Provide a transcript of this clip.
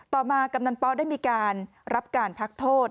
มากำนันป๊ได้มีการรับการพักโทษ